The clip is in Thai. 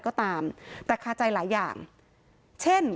อยู่ดีมาตายแบบเปลือยคาห้องน้ำได้ยังไง